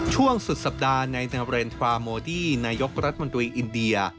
ช่วงสุดสัปดาห์ในนาเรนทราโมดี้นายกรัฐมนตรีอินเดีย